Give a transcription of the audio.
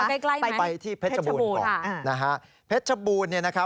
เอาใครก่อนดีล่ะค่ะ